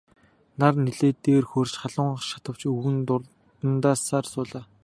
Нар нэлээд дээр хөөрч халуун шатавч өвгөн дурандсаар суулаа.